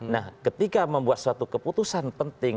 nah ketika membuat suatu keputusan penting